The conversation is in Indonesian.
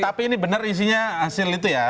tapi ini benar isinya hasil itu ya